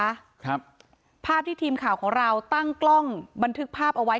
ครับภาพที่ทีมข่าวของเราตั้งกล้องบันทึกภาพเอาไว้